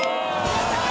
やったー！